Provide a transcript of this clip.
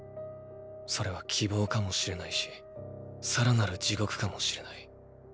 それは希望かもしれないしさらなる地獄かもしれない。